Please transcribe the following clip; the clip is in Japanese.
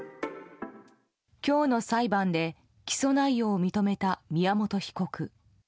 今日の裁判で起訴内容を認めた宮本被告。